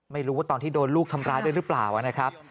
ไม่รู้ว่าตอนที่โดนลูกทำร้ายด้วยหรือเปล่านะครับ